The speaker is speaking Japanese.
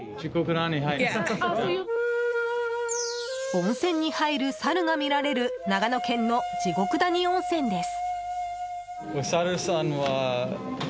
温泉に入るサルが見られる長野県の地獄谷温泉です。